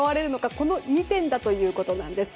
この２点だということなんです。